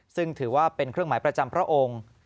ซึ่งถือว่าเป็นเครื่องหมายประจำพระองค์